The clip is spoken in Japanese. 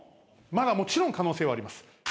まだもちろん可能性はあります。